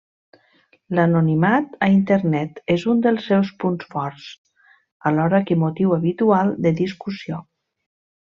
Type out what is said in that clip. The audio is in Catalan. L'anonimat a Internet és un dels seus punts forts, alhora que motiu habitual de discussió.